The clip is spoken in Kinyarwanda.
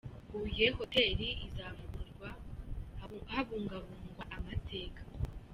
Huye hoteri izavugururwa habungabungwa amateka